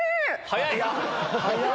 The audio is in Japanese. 早い！